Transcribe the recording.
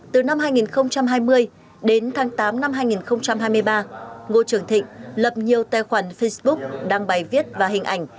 từ năm hai nghìn hai mươi đến tháng tám năm hai nghìn hai mươi ba ngô trường thịnh lập nhiều tài khoản facebook đăng bài viết và hình ảnh